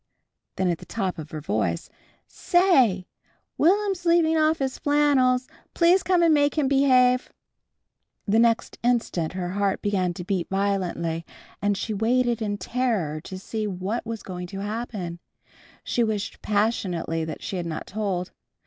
Then at the top of her voice, "Say! Will'm's leaving off his flannels. Please come and make him behave!" The next instant her heart began to beat violently, and she waited in terror to see what was going to happen. She wished passionately that she had not told.